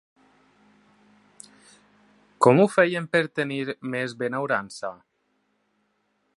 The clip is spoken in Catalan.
Com ho feien per tenir més benaurança?